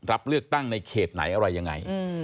รับเลือกตั้งในเขตไหนอะไรยังไง